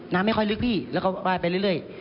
ไม่ค่อยลึกพี่แล้วก็ว่ายไปเรื่อย